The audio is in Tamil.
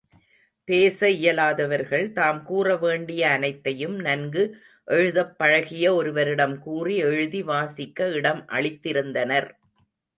பேச இயலாதவர்கள் தாம் கூறவேண்டிய அனைத்தையும் நன்கு எழுதப் பழகிய ஒருவரிடம் கூறி, எழுதி வாசிக்க இடம் அளித்திருந்தனர்.